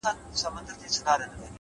هوډ د ستونزو پر وړاندې ټینګېږي!